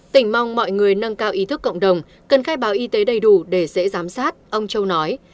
tỉnh mong mọi người nâng cao ý thức cộng đồng cần khai báo y tế đầy đủ để dễ giám sát ông châu nói